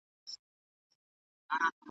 له پردیو پسرلیو خپل بهار ته غزل لیکم .